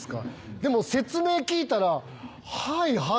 でも説明聞いたら。